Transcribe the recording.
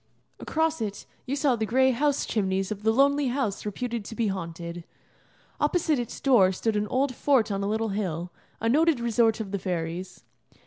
Across it you saw the gray house chimneys of the lonely house reputed to be haunted. Opposite its door stood an old fort on a little hill, a noted resort of the fairies.